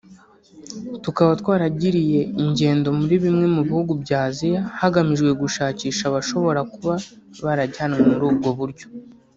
tukaba twaragiriye ingendo muri bimwe mu bihugu bya Aziya hagamijwe gushakisha abashobora kuba barajyanywe muri ubwo buryo